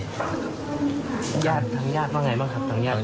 ต่างญาติได้ไงบ้างครับต่างญาติคุย